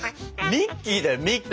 ミッキーだよミッキー。